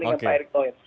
dengan pak erick tohir